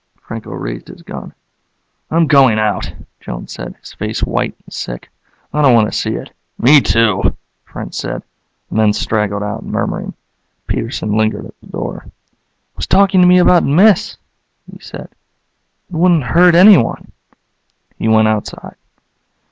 Franco raised his gun. "I'm going out," Jones said, his face white and sick. "I don't want to see it." "Me, too," French said. The men straggled out, murmuring. Peterson lingered at the door. "It was talking to me about myths," he said. "It wouldn't hurt anyone." He went outside.